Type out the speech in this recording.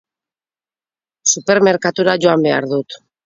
Supermerkatura joan behar dut.